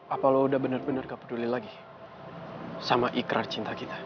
apa lo udah bener bener gak peduli lagi sama ikrar cinta kita